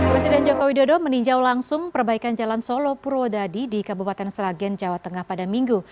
presiden joko widodo meninjau langsung perbaikan jalan solo purwodadi di kabupaten sragen jawa tengah pada minggu